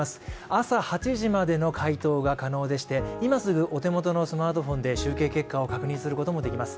朝８時までの回答が可能でして今すぐお手元のスマートフォンで集計結果を確認することができます。